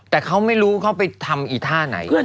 แต่เขาไปอีทหาไหน